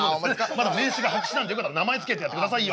まだ名刺が白紙なんでよかったら名前付けてやってくださいよ。